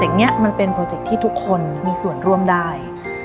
อย่างนี้มันเป็นโปรเจคที่ทุกคนมีส่วนร่วมได้